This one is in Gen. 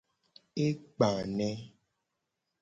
E gba ne.